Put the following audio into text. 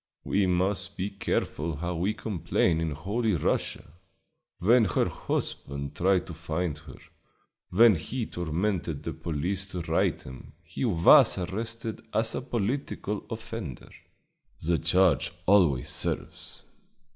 We must be careful how we complain in Holy Russia! When her husband tried to find her, when he tormented the police to right him, he was arrested as a political offender the charge always serves.